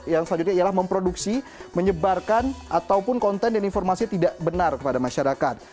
yang selanjutnya ialah memproduksi menyebarkan ataupun konten dan informasi tidak benar kepada masyarakat